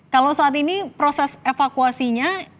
kalau saat ini proses evakuasinya